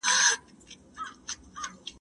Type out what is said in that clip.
دا کار له هغه ګټور دي!؟